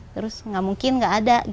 terus gak mungkin gak ada